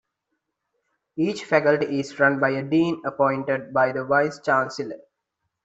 Each faculty is run by a dean appointed by the vice chancellor.